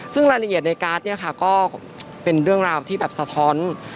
ซึ่งรายละเอียดในการ์ดเนี่ยค่ะก็เป็นเรื่องราวที่แบบสะท้อน